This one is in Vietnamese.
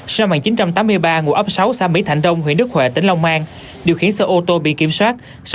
sau màn chín trăm tám mươi ba ngụ ấp sáu xã mỹ thạnh đông huyện đức huệ tỉnh long an điều khiến xe ô tô bị kiểm soát